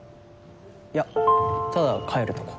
いやただ帰るとこ。